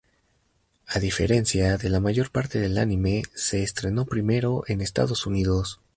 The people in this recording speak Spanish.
A diferencia de la mayor parte del anime, se estrenó primero en Estados Unidos.